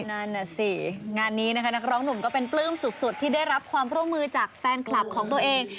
นั่นน่ะสิงานนี้นะคะนักร้องหนุ่มก็เป็นปลื้มสุดที่ได้รับความร่วมมือจากแฟนคลับของตัวเอง